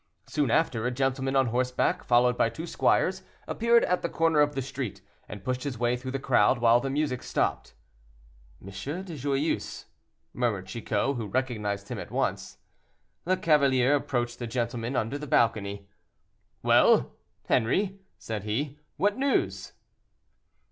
Soon after, a gentleman on horseback, followed by two squires, appeared at the corner of the street, and pushed his way through the crowd, while the music stopped. "M. de Joyeuse," murmured Chicot, who recognized him at once. The cavalier approached the gentleman under the balcony. "Well! Henri," said he, "what news?"